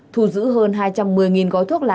thu giữ hơn hai trăm một mươi gói thuốc lá